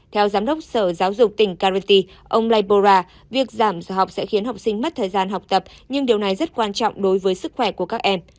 theo giám đốc sở giáo dục tỉnh karati ông lai bora việc giảm gió học sẽ khiến học sinh mất thời gian học tập nhưng điều này rất quan trọng đối với sức khỏe của các em